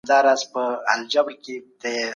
دا ښار د افغانستان د هویت برخه ده.